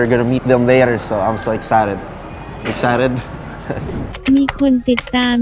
เรือแบตตำเรื่องติดตาม